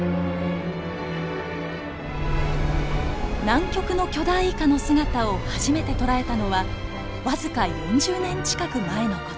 南極の巨大イカの姿を初めて捉えたのは僅か４０年近く前の事。